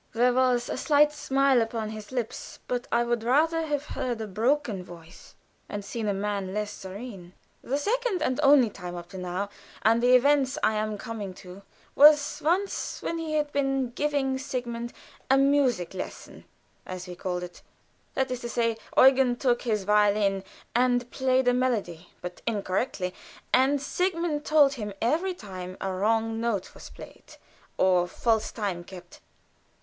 There was a slight smile upon his lips, but I would rather have heard a broken voice and seen a mien less serene. The second, and only time, up to now, and the events I am coming to, was once when he had been giving Sigmund a music lesson, as we called it that is to say, Eugen took his violin and played a melody, but incorrectly, and Sigmund told him every time a wrong note was played, or false time kept.